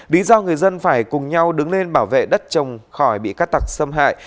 lý do người dân phải cùng nhau đứng lên bảo vệ đất trồng khỏi bị các tạc xâm hại